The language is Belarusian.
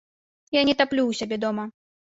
Я не таплю ў сябе дома.